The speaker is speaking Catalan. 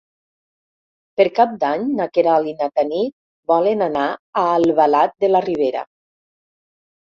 Per Cap d'Any na Queralt i na Tanit volen anar a Albalat de la Ribera.